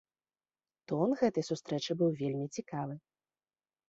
Тон гэтай сустрэчы быў вельмі цікавы.